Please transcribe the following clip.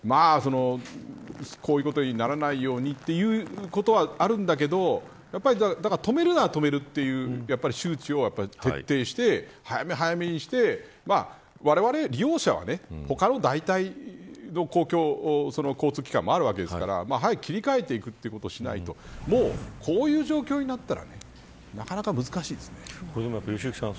こういうことにならないようにということはあるんだけどやっぱり、止めるなら止めるという周知を徹底して早め早めにしてわれわれ利用者は、他の代替の公共交通機関もあるわけですから早く切り替えていくということをしないともう、こういう状況になったら良幸さん